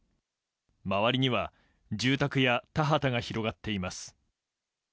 周りには住宅や田畑が広がっています。